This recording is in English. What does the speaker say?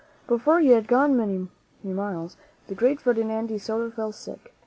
But before he had gone many miles, the great Ferdinand de Soto fell sick.